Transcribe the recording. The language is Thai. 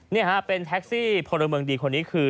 นี่ฮะเป็นแท็กซี่พลเมืองดีคนนี้คือ